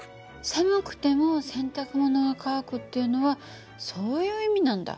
寒くても洗濯物が乾くっていうのはそういう意味なんだ。